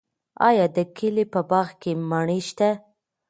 آیا د کلي په باغ کې مڼې شته؟